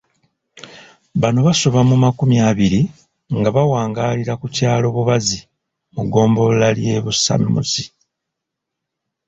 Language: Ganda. Bano basoba mu makumi abiri nga bawangaalira ku kyalo Bubanzi mu ggombolola ly'e Busamuzi.